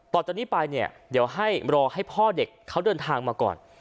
ต่อจากนี้ไปเนี่ยเดี๋ยวให้รอให้พ่อเด็กเขาเดินทางมาก่อน